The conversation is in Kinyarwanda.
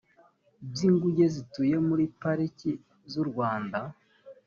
by inguge zituye muri pariki z u rwanda